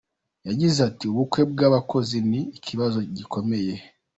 Yagize ati “ Ubuke bw’abakozi ni ikibazo gikomeye.